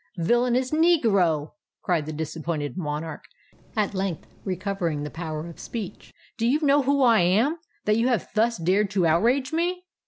"Villainous negro!" cried the disappointed monarch, at length recovering the power of speech: "do you know who I am, that you have thus dared to outrage me?"